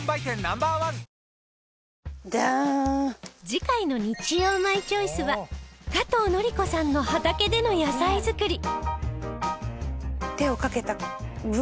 次回の『日曜マイチョイス』は加藤紀子さんの畑での野菜作り